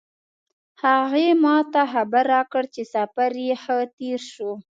هغې ما ته خبر راکړ چې سفر یې ښه تیر شو